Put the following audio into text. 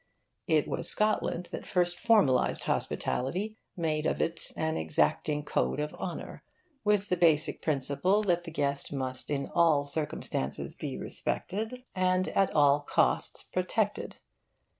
It was Scotland that first formalised hospitality, made of it an exacting code of honour, with the basic principle that the guest must in all circumstances be respected and at all costs protected.